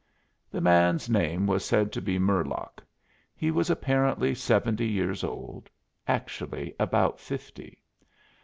The man's name was said to be Murlock. He was apparently seventy years old, actually about fifty.